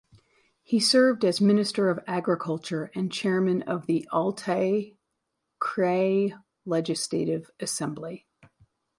He served as Minister of Agriculture and Chairman of the Altai Krai Legislative Assembly.